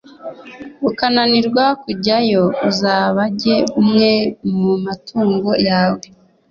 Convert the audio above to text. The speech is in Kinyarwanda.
ukananirwa kujyayo, uzabage amwe mu matungo yawe.